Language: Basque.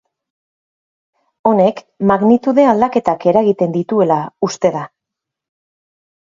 Honek magnitude aldaketak eragiten dituela uste da.